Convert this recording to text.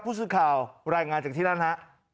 ผู้สื่อข่าวรายงานจากที่นั่นฮะ